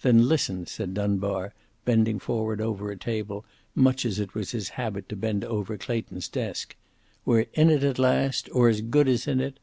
"Then listen," said Dunbar, bending forward over a table, much as it was his habit to bend over Clayton's desk. "We're in it at last. Or as good as in it.